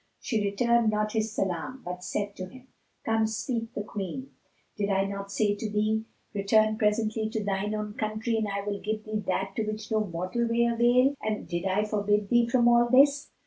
She returned not his salam, but said to him, "Come; speak the Queen. Did I not say to thee: 'Return presently to thine own country and I will give thee that to which no mortal may avail?' And did I forbid thee from all this?